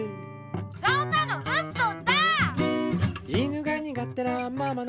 そんなのウソだ！